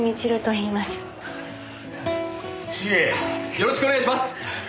よろしくお願いします！